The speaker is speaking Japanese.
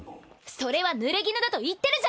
それはぬれぎぬだと言ってるじゃないの！